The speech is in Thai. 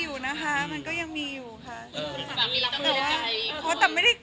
สวิงบ้างอะไรบ้าง